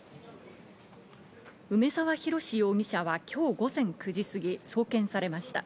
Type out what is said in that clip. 梅沢洋容疑者は今日午前９時すぎ、送検されました。